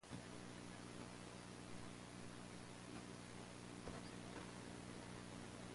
Following the season, Loughery was replaced by Gene Shue.